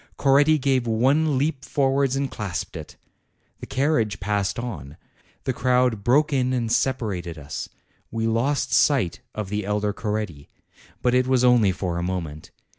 Coretti gave one leap forwards and clasped it. The carriage passed on; the crowd broke in and separated us; we lost sight of the elder Coretti. But it was only for a moment.